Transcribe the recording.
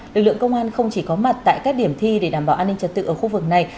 lực lượng công an không chỉ có mặt tại các điểm thi để đảm bảo an ninh trật tự ở khu vực này